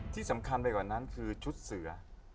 ที่สำคัญไปกว่านั้นคือชุดเสือ